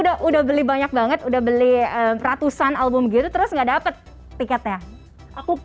pernah gak udah beli banyak banget udah beli ratusan album gitu terus gak dapet tiketnya